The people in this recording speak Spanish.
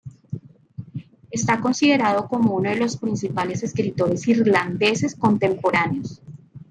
Está considerado como uno de los principales escritores irlandeses contemporáneos.